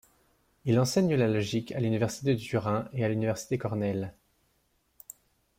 Il enseigne la logique à l'université de Turin et à l'université Cornell.